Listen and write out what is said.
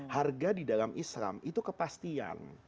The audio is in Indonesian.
harga di dalam islam itu kepastian